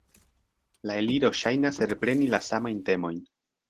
La Eliro ŝajnas repreni la samajn temojn.